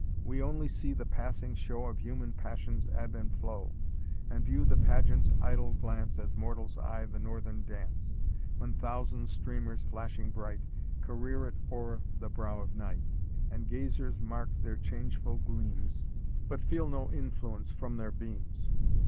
We only see the passing show Of human passions' ebb and flow; And view the pageant's idle glance As mortals eye the northern dance, When thousand streamers, flashing bright, Career it o'er the brow of night. And gazers mark their changeful gleams, But feel no influence from their beams."